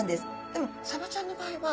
でもサバちゃんの場合は。